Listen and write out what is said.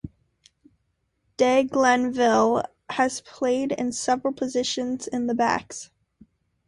De Glanville has played in several positions in the backs.